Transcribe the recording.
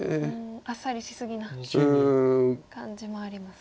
あっさりしすぎな感じもありますか。